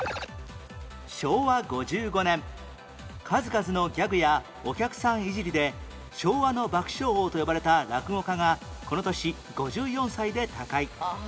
昭和５５年数々のギャグやお客さんいじりで「昭和の爆笑王」と呼ばれた落語家がこの年５４歳で他界